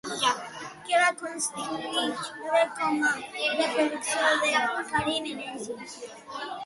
Què va constituir Love com a reprovació de Cairn Energy?